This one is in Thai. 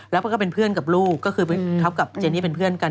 แล้วก็เป็นเพื่อนกับลูกก็คือท็อปกับเจนี่เป็นเพื่อนกัน